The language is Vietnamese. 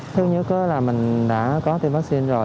thứ nhất là mình đã có tiêm vaccine rồi